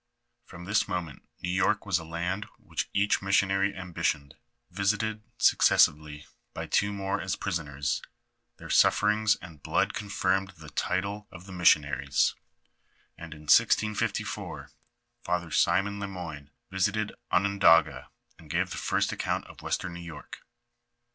From this moment New York was a land which each missionary ambition ed ; visited successively by two more as prisoners, their suiferings and blood confirmed the title of the miseicnaries, and, in 1654, Father Simon le Moyne visited Onondaga, and gave the firat account of west em New York.